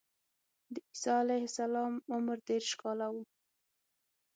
د عیسی علیه السلام عمر دېرش کاله و.